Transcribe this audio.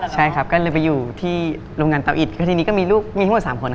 เยาะประของอันตรีบานล่ะ